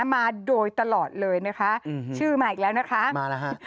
มาโดยตลอดเลยนะคะอืมชื่อมาอีกแล้วนะคะมาแล้วฮะ